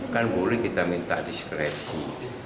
kan boleh kita minta diskresi